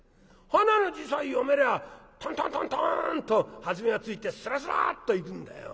はなの字さえ読めりゃトントントントンと弾みがついてスラスラッといくんだよ。